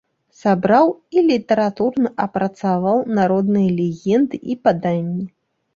Сабраў і літаратурна апрацаваў народныя легенды і паданні.